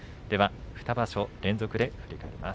２場所連続で振り返ります。